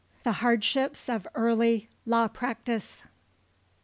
THE HARDSHIPS OF EARLY LAW PRACTICE.